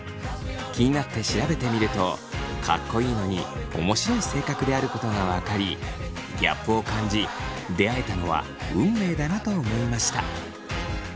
気になって調べてみるとかっこいいのに面白い性格であることが分かりギャップを感じ出会えたのは運命だなと思いました。